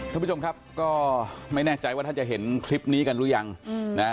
ท่านผู้ชมครับก็ไม่แน่ใจว่าท่านจะเห็นคลิปนี้กันหรือยังนะฮะ